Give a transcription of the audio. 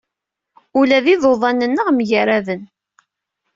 Ula d iḍuḍan-nneɣ mgaraden.